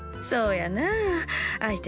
そうやなあ。